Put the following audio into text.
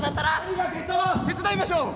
手伝いましょう。